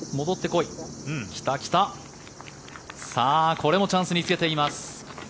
これもチャンスにつけています。